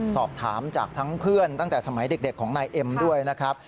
สอบถามจากทั้งเพื่อนตั้งแต่สมัยเด็กของนายเอ็มด้วยนะครับ